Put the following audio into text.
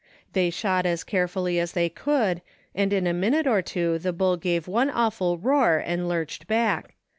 They shot as carefully as they could, and in a minute or two the bull gave one awful roar and lurched back.